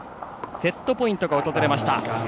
セットポイントが訪れました。